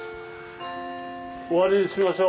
終わりにしましょう。